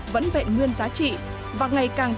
sẽ nguyên giá trị và ngày càng tỏ rõ